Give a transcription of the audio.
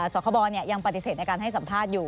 สคบยังปฏิเสธในการให้สัมภาษณ์อยู่